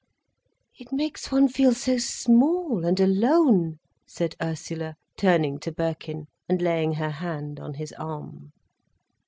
"It makes one feel so small and alone," said Ursula, turning to Birkin and laying her hand on his arm.